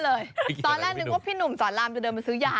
ตอนแรกนึกว่าพี่หนุ่มสอนรามจะเดินไปซื้อยา